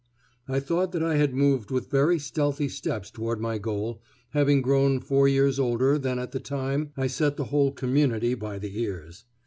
I thought that I had moved with very stealthy steps toward my goal, having grown four years older than at the time I set the whole community by the ears.